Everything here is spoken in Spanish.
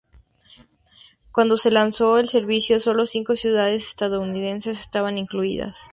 Cuando se lanzó el servicio, sólo cinco ciudades estadounidenses estaban incluidas.